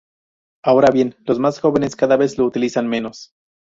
Ahora bien, los más jóvenes cada vez lo utilizan menos.